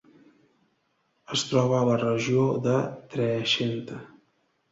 Es troba a la regió de Trexenta.